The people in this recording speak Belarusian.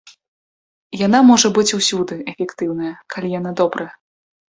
Яна можа быць усюды эфектыўная, калі яна добрая.